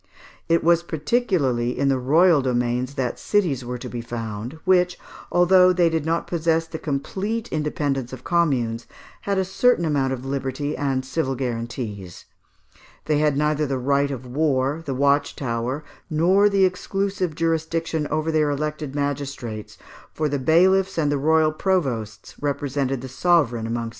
It was particularly in the royal domains that cities were to be found, which, although they did not possess the complete independence of communes, had a certain amount of liberty and civil guarantees. They had neither the right of war, the watch tower, nor the exclusive jurisdiction over their elected magistrates, for the bailiffs and the royal provosts represented the sovereign amongst them (Fig. 39).